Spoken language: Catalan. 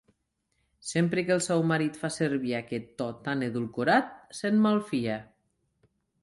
Sempre que el seu marit fa servir aquest to tan edulcorat se'n malfia.